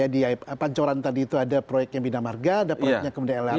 di pancoran tadi itu ada proyeknya bina marga ada proyeknya kemudian lrt